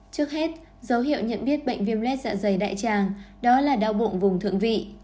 trước hết dấu hiệu nhận biết bệnh viêm lết dạ dày đại tràng đó là đau bụng vùng thượng vị